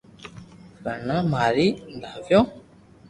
ورنا ماري دآئيو